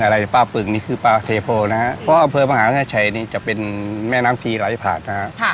อะไรปลาปึ่งนี่คือปลาเทโภนะครับเพราะอำเภอภังหาวิทยาชัยนี่จะเป็นแม่น้ำจีหลายผาดนะครับ